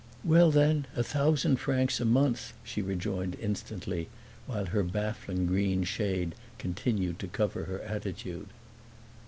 "Well then, a thousand francs a month," she rejoined instantly, while her baffling green shade continued to cover her attitude.